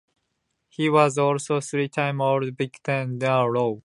He was also a three-time academic All-Big Ten selection at Iowa.